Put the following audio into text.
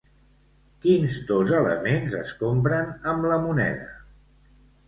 Quins dos elements es compren amb la moneda?